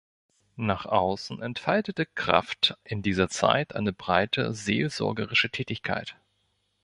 Nach Außen entfaltete Krafft in dieser Zeit eine breite seelsorgerische Tätigkeit.